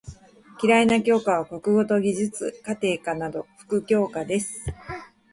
嫌いな教科は国語と技術・家庭科など副教科です。